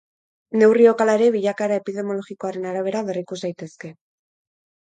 Neurriok, halere, bilakaera epidemiologikoaren arabera berrikus daitezke.